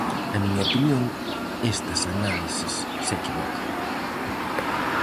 Na miña opinión, estas análises se equivocan.